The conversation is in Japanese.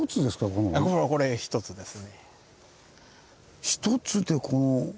これひとつですね。